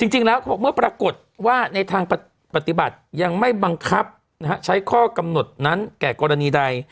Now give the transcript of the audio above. เขาบอกเมื่อปรากฏว่าในทางปฏิบัติยังไม่บังคับใช้ข้อกำหนดนั้นแก่กรณีใด